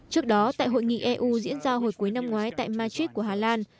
trước đó tại hội nghị eu diễn ra hồi cuối năm ngoái tại madrid